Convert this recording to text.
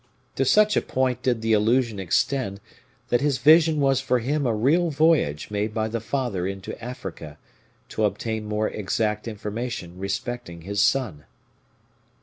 To such a point did the illusion extend, that this vision was for him a real voyage made by the father into Africa, to obtain more exact information respecting his son.